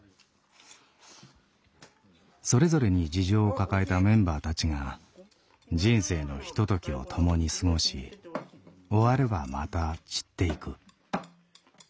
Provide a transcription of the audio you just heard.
それぞれに事情を抱えたメンバーたちが人生のひとときを共に過ごし終わればまた散っていく。